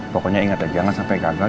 pokoknya ingat ya jangan sampai gagal